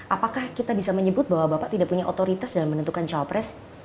apakah kita bisa menyebut bahwa bapak tidak punya otoritas dalam menentukan cawapres